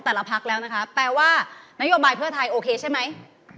แต่ละพักแล้วนะคะแปลว่านโยบายเพื่อไทยโอเคใช่ไหม